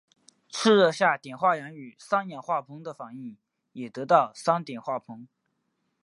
赤热下碘化氢与三氯化硼反应也得到三碘化硼。